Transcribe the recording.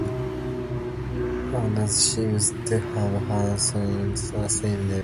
Amadocus seems to have had a son of the same name.